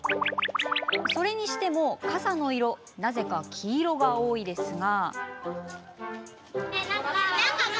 それにしても、傘の色なぜか黄色が多いですが。